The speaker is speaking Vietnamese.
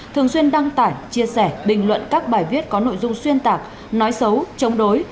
thường xuyên đăng tải chia sẻ bình luận các bài viết có nội dung xuyên tạc nói xấu chống đối